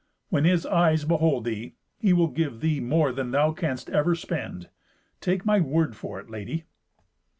When his eyes behold thee, he will give thee more than thou canst ever spend. Take my word for it, lady."